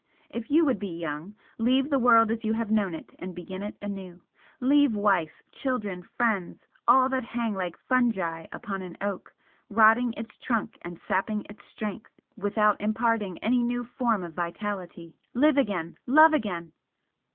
If you would be young, leave the world as you have known it and begin it anew, leave wife, children, friends, all that hang like fungi upon an oak, rotting its trunk and sapping its strength without imparting any new form of vitality. Live again love again!"